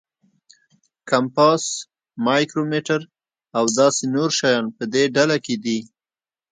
کمپاس، مایکرومیټر او داسې نور شیان په دې ډله کې دي.